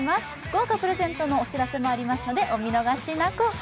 豪華プレゼントのお知らせもありますのでお見逃しなく。